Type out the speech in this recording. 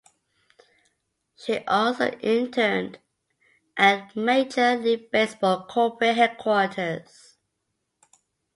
She also interned at Major League Baseball corporate headquarters.